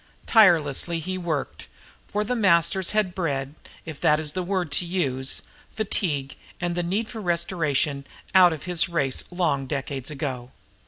Tirelessly he worked, for The Masters had bred, if that is the word to use, fatigue and the need for restoration out of his race long decades ago.